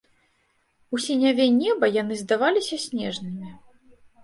У сіняве неба яны здаваліся снежнымі.